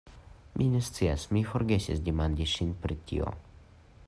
Mi ne scias, mi forgesis demandi ŝin pri tio.